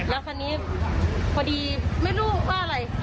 แล้วคราวนี้พอดีไม่รู้ว่าอะไร